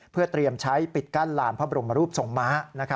เพื่อเตรียมใช้ปิดกั้นลานพระบรมรูปทรงม้า